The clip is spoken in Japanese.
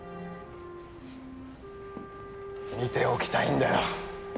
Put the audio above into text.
見ておきたいんだよ